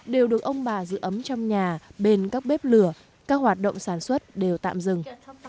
đều được ông bà giữ ấm trong nhà bên các bếp lửa các hoạt động sản xuất đều tạm dừng